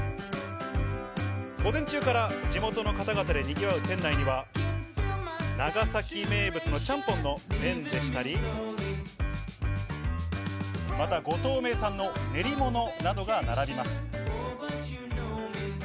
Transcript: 午前中から地元の方々でにぎわう店内には、長崎名物のちゃんぽんの麺でしたり、また、五島市名産の練り物などが並びます。